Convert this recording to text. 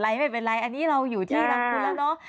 ไม่เป็นไรอันนี้เราอยู่ที่รังคุณแล้วเนอะ